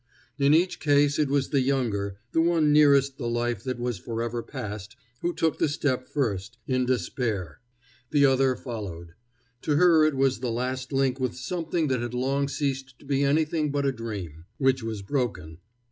In each case it was the younger, the one nearest the life that was forever past, who took the step first, in despair. The other followed. To her it was the last link with something that had long ceased to be anything but a dream, which was broken.